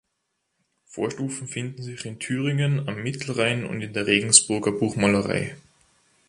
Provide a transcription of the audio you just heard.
Vorstufen finden sich in Thüringen, am Mittelrhein und in der Regensburger Buchmalerei.